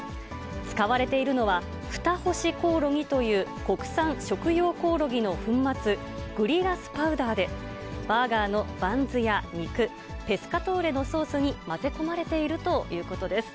使われているのは、フタホシコオロギという国産食用コオロギの粉末、グリラスパウダーで、バーガーのバンズや肉、ペスカトーレのソースに混ぜ込まれているということです。